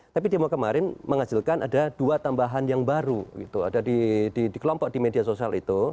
tapi demo kemarin menghasilkan ada dua tambahan yang baru gitu ada di kelompok di media sosial itu